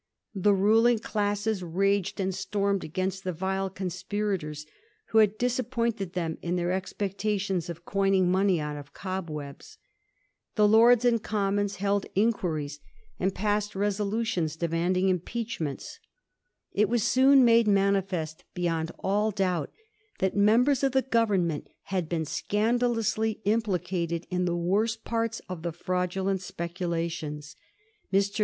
The ruling classes raged and stormed against the vile conspirators who had disappointed them in their ex pectations of coining money out of cobwebs. The Lords and Commons held inquiries, passed resolu Digiti zed by Google 1720 THE CRAGGSES. 259 tions, demanded impeachments. It was soon made manifest beyond all doubt that members of the Government had been scandalously implicated in the worst parts of the fraudulent speculations. Mr.